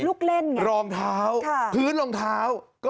ลูกเล่นรองเท้าพื้นรองเท้าก็มีเหมือนกัน